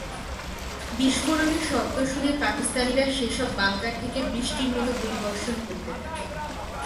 বিস্ফোরণের শব্দ শুনে পাকিস্তানিরা সেসব বাংকার থেকে বৃষ্টির মতো গুলিবর্ষণ করতে থাকে।